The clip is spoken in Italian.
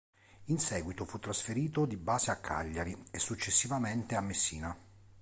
In seguito fu trasferito di base a Cagliari e successivamente a Messina.